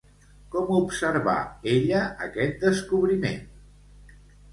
Com observà ella aquest descobriment?